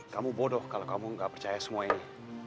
kamu bodoh kalau kamu nggak percaya semua ini